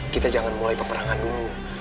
kita jangan mulai peperangan dulu